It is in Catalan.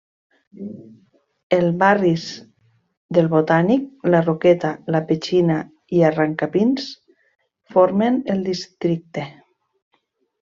El barris del Botànic, la Roqueta, la Petxina i Arrancapins formen el districte.